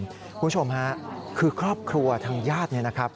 คุณผู้ชมฮะคือครอบครัวทางญาติเนี่ยนะครับ